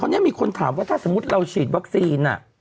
ตอนนี้มีคนถามว่าถ้าสมมุติเราฉีดวัคซีน